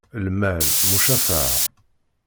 Lmal, mucafaɛ.